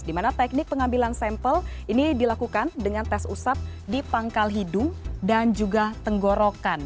di mana teknik pengambilan sampel ini dilakukan dengan tes usap di pangkal hidung dan juga tenggorokan